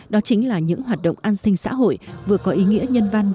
đó chính là những hoạt động an sinh xã hội vừa có ý nghĩa nhân văn